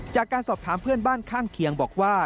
จากการสอบถามเพื่อนบ้านข้างเคียงบอกว่า